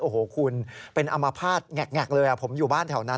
โอ้โหคุณเป็นอมภาษณ์แงกเลยผมอยู่บ้านแถวนั้น